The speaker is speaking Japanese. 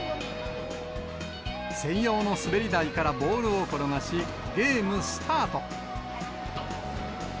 専用の滑り台からボールを転がし、ゲームスタート。